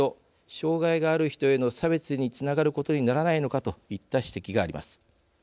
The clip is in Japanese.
障害がある人への差別につながることにならないのかといった指摘があります。